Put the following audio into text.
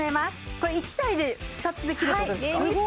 これ１台で２つできるってこと？